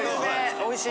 おいしい。